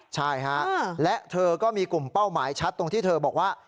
ใช่ฮะและเธอก็มีกลุ่มเป้าหมายชัดตรงที่เธอบอกว่า